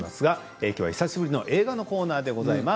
久しぶりの映画のコーナーです。